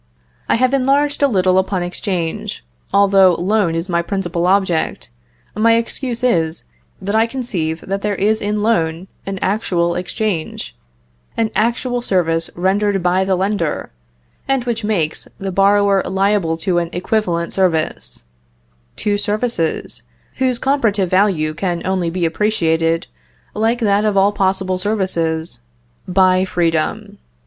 I have enlarged a little upon exchange, although loan is my principal object: my excuse is, that I conceive that there is in a loan an actual exchange, an actual service rendered by the lender, and which makes the borrower liable to an equivalent service, two services, whose comparative value can only be appreciated, like that of all possible services, by freedom.